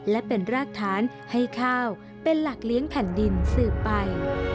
และเป็นรากฐานให้ข้าวเป็นหลักเลี้ยงแผ่นดินสืบไป